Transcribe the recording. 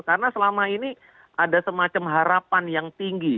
karena selama ini ada semacam harapan yang tinggi